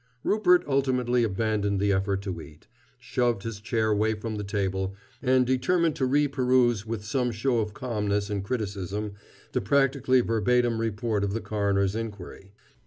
Rupert ultimately abandoned the effort to eat, shoved his chair away from the table, and determined to reperuse with some show of calmness and criticism, the practically verbatim report of the coroner's inquiry.